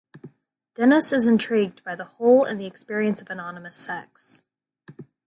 Dennis is intrigued by the hole and the experience of anonymous sex.